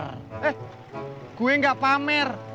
eh gue gak pamer